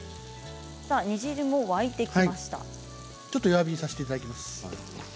ちょっと弱火にさせていただきます。